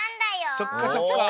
そっかそっか！